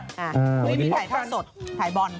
จังงี้ตอนนั้นท่ายถ้าสดท่ายบอล